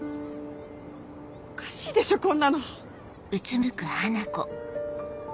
おかしいでしょこんなの。